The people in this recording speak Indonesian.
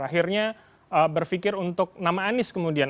akhirnya berpikir untuk nama anies kemudian